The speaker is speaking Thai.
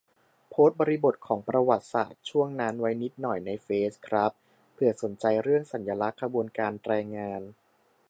โพสต์บริบทของประวัติศาสตร์ช่วงนั้นไว้นิดหน่อยในเฟซครับ เผื่อสนใจ เรื่องสัญลักษณ์ขบวนการแรงงาน